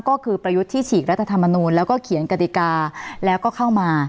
ก็คือประยุทธ์ที่ฉีกรัฐธรรมนูลแล้วก็เขียนกติกาแล้วก็เข้ามา